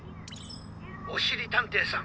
「おしりたんていさん